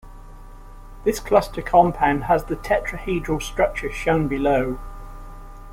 This cluster compound has the tetrahedral structure shown below.